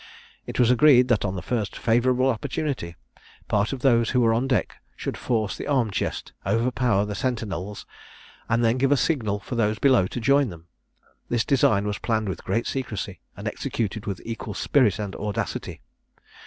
It was agreed, that on the first favourable opportunity, part of those who were on deck should force the arm chest, overpower the sentinels, and then give a signal for those below to join them. This design was planned with great secrecy, and executed with equal spirit and audacity.